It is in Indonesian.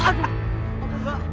aduh ampun mbak